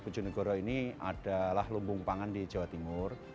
bojonegoro ini adalah lumbung pangan di jawa timur